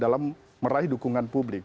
dalam meraih dukungan publik